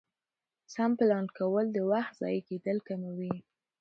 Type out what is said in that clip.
سم پلان کول د وخت ضایع کېدل کموي